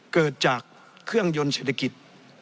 เกิดจากเครื่องยนต์เศรษฐกิจ